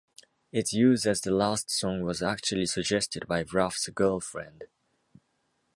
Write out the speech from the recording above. Its use as the last song was actually suggested by Braff's girlfriend.